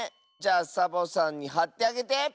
じゃあサボさんにはってあげて！